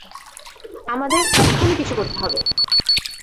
আমাদের এখনই কিছু করতে হবে।